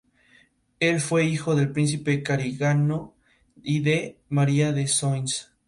La sociedad consiguió reunir una colección notable de libros.